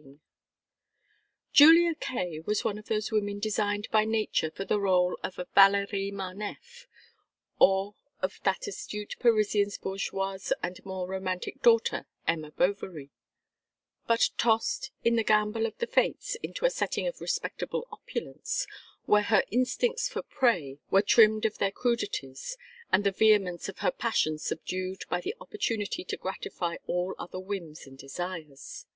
XVIII Julia Kaye was one of those women designed by nature for the rôle of a Valérie Marneffe, or of that astute Parisian's bourgeoise and more romantic daughter, Emma Bovary; but tossed, in the gamble of the fates, into a setting of respectable opulence, where her instincts for prey were trimmed of their crudities, and the vehemence of her passions subdued by the opportunity to gratify all other whims and desires.